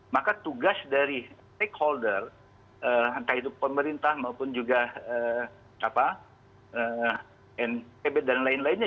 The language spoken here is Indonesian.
maka tugas dari stakeholder entah itu pemerintah maupun juga npb dan lain lainnya